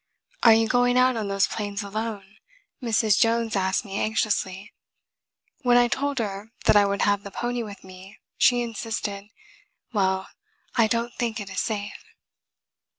"Are you going out on those plains alone?" Mrs. Jones asked me anxiously. When I told her that I would have the pony with me, she insisted, "Well, I don't think it is safe."